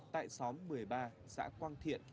tại xóm một mươi ba xã quang thiện